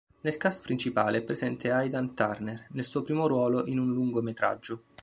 Nel cast principale è presente Aidan Turner nel suo primo ruolo in un lungometraggio.